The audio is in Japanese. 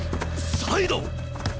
サイド！？